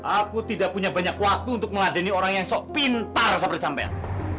aku tidak punya banyak waktu untuk meladeni orang yang sok pintar sampai campaian